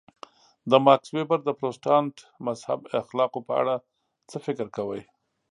د ماکس وېبر د پروتستانت مذهب اخلاقو په اړه څه فکر کوئ.